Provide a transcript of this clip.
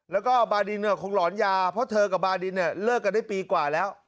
แล้วก็บาดินเนี่ยคงหลอนยาเพราะเธอกับบาดินเนี่ยเลิกกันได้ปีกว่าแล้ว